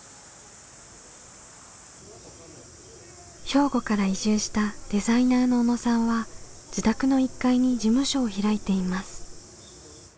兵庫から移住したデザイナーの小野さんは自宅の１階に事務所を開いています。